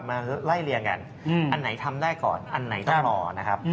มาไล่เลี่ยงกันอันไหนทำได้ก่อนอันไหนต้องรอนะครับ